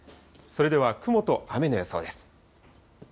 それでは雲と雨の予想です。